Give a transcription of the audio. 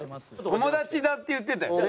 友達だって言ってたよ。